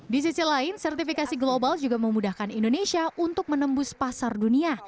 di sisi lain sertifikasi global juga memudahkan indonesia